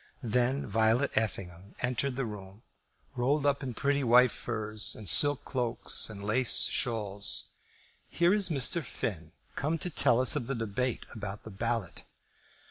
Then Violet Effingham entered the room, rolled up in pretty white furs, and silk cloaks, and lace shawls. "Here is Mr. Finn, come to tell us of the debate about the ballot."